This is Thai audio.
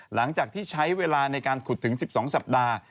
หลังจากที่ใช้เวลาในการขุดถึง๑๒สัปดาห์